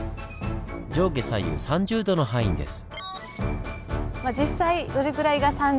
上下左右３０度の範囲です。